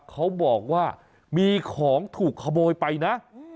เขาบอกว่ามีของถูกขโมยไปนะ